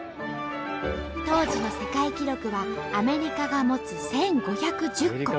当時の世界記録はアメリカが持つ１，５１０個。